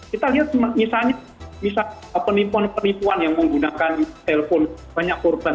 kita lihat misalnya penipuan penipuan yang menggunakan telepon banyak korban